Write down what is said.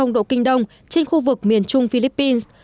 một trăm hai mươi bốn độ kinh đông trên khu vực miền trung philippines